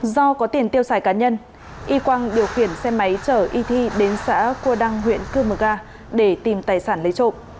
do có tiền tiêu xài cá nhân y quang điều khiển xe máy chở y thi đến xã qua đăng huyện cơ mở gà để tìm tài sản lấy trộm